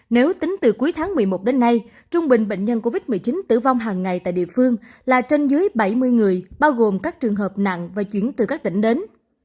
nếu tính từ cuối tháng một mươi một đến nay trung bình bệnh nhân covid một mươi chín tử vong hàng ngày tại địa phương là trên dưới bảy mươi người bao gồm các trường hợp nặng và chuyển từ các tỉnh đến